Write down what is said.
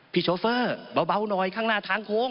โชเฟอร์เบาหน่อยข้างหน้าทางโค้ง